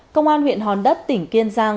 công an huyện hòn đất tỉnh kiên giang